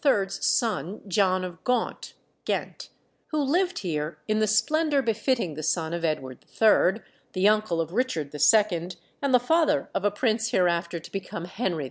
's son, John of Gaunt (Ghent), who lived here in the splendour befitting the son of Edward III., the uncle of Richard II., and the father of a prince hereafter to become Henry IV.